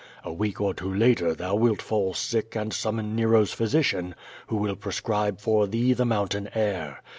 A week or two later thou wilt fall sick and sum mon Nero's physician, who will prescribe for thee the moun tain air.